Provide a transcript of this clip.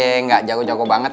enggak jago jago banget